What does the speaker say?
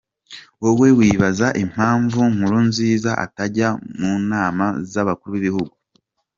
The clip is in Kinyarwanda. Wowe wibaza impamvu Nkurunziza atajya munama zabakuru bibihugu.